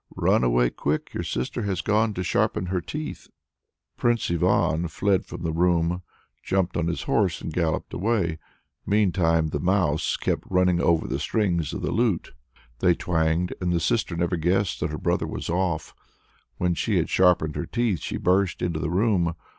Run away quick! your sister has gone to sharpen her teeth." Prince Ivan fled from the room, jumped on his horse, and galloped away back. Meantime the mouse kept running over the strings of the lute. They twanged, and the sister never guessed that her brother was off. When she had sharpened her teeth she burst into the room.